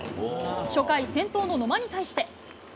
初回、先頭の野間に対して。